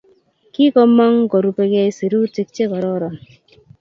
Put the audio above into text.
Kikomoong' korupegei sirutiik che kororon.